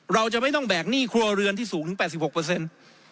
เราจะไม่ต้องแบกหนี้ครัวเรือนที่สูงถึง๘๖